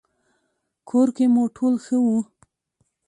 کور کې مو ټول ښه وو؟